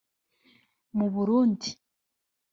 mu Burundi